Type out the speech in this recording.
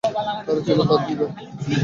তারা ছিল তাঁর দুই ভাই।